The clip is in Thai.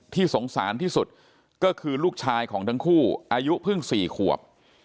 สงสารที่สุดก็คือลูกชายของทั้งคู่อายุเพิ่ง๔ขวบ